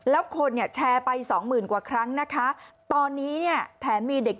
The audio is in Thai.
แล้วคนแชร์ไปสองหมื่นกว่าครั้งนะคะตอนนี้แถมมีเด็ก